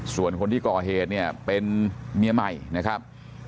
ส่วนคนที่ก่อเหตุเนี่ยเป็นเมียใหม่นะครับ